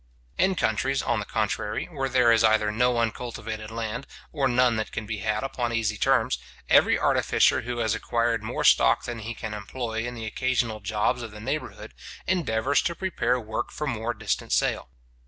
In countries, on the contrary, where there is either no uncultivated land, or none that can be had upon easy terms, every artificer who has acquired more stock than he can employ in the occasional jobs of the neighbourhood, endeavours to prepare work for more distant sale.